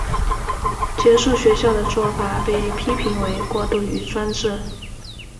结束学校的做法被批评为过于专制。